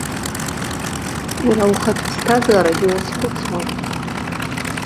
Уара ухатә ԥсҭазаарагьы уазхәыцуан.